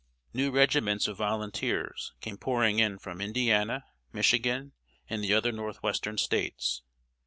New regiments of volunteers came pouring in from Indiana, Michigan, and the other Northwestern States.